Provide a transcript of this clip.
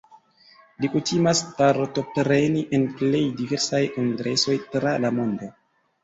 Li kutimas partopreni en plej diversaj kongresoj tra la mondo.